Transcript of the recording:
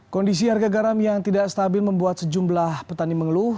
kondisi harga garam yang tidak stabil membuat sejumlah petani mengeluh